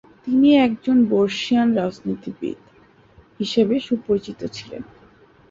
তিনি একজন বর্ষীয়ান রাজনীতিবিদ হিসেবে সুপরিচিত ছিলেন।